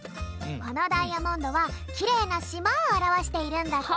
このダイヤモンドはきれいなしまをあらわしているんだって。